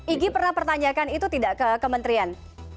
igi pernah pertanyakan itu tidak ke kementerian